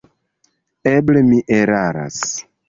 Eble mi eraras.